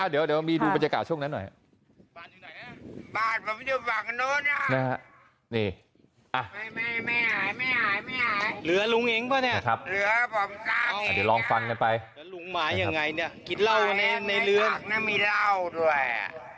เดี๋ยวมีดูบรรยากาศช่วงนั้นหน่อยครับ